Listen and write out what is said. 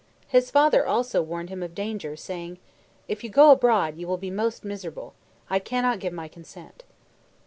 His father also warned him of danger, saying, "If you go abroad, you will be most miserable. I cannot give my consent."